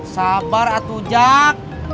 sabar atu jak